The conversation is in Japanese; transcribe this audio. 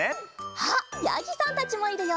あっやぎさんたちもいるよ！